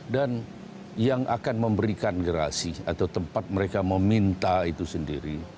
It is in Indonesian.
dan yang akan memberikan gerasi atau tempat mereka meminta itu sendiri